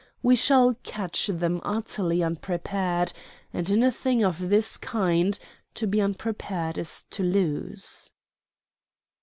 We shall catch them utterly unprepared; and, in a thing of this kind, to be unprepared is to lose."